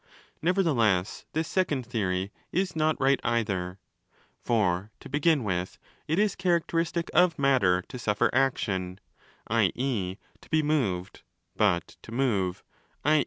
Nevertheless this second theory is not right either. )| For, to begin with, it is characteristic of matter to suffer 30 action, i.e. to be moved: but to move, i.